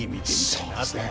そうですね。